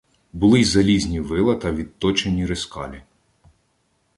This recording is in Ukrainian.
Були й залізні вила та відточені рискалі.